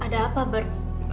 ada apa bert